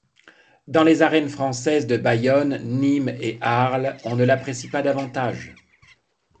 Dans les arènes françaises de Bayonne, Nîmes et Arles, on ne l’apprécie pas davantage.